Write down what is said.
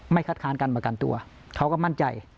คัดค้านการประกันตัวเขาก็มั่นใจ